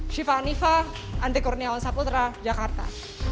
syifa anifa andi kurniawan saputra jakarta